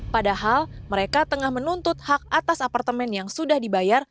padahal mereka tengah menuntut hak atas apartemen yang sudah dibayar